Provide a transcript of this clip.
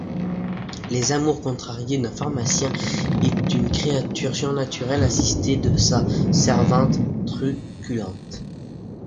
Les amours contrariés d’un pharmacien et d’une créature surnaturelle assistée de sa servante truculente.